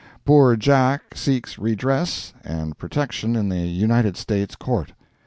Poor Jack seeks redress and protection in a United States Court.